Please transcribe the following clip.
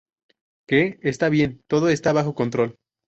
¿ Qué? Está bien. todo está bajo control.